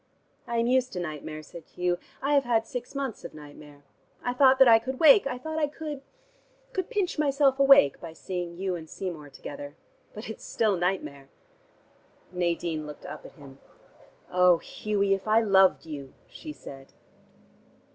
"I am used to nightmare," said Hugh. "I have had six months of nightmare. I thought that I could wake; I thought I could could pinch myself awake by seeing you and Seymour together. But it's still nightmare." Nadine looked up at him. "Oh, Hughie, if I loved you!" she said.